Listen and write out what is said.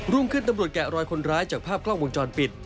รุ่งขึ้นตำรวจแกะรอยคนร้ายจากภาพกล้องวงจรปิด